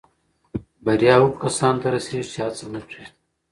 بریا هغو کسانو ته رسېږي چې هڅه نه پرېږدي.